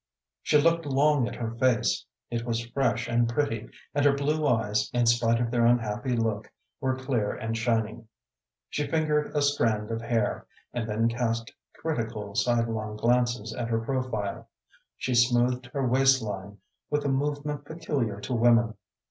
She looked long at her face. It was fresh and pretty, and her blue eyes, in spite of their unhappy look, were clear and shining. She fingered a strand of hair, and then cast critical sidelong glances at her profile. She smoothed her waist line with a movement peculiar to women.